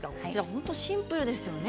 本当にシンプルですよね